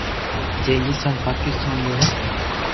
جي هندستان، پاڪستان رھي ھي